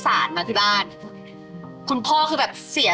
แต่พ่อก็อธิบายเลยไปเนี่ย